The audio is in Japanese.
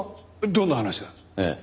どんな話だ？ええ。